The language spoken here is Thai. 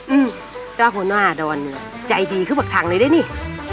อืมแต่ว่าหัวหน้าดอนเนี่ยใจดีขึ้นบักทังเลยได้นี่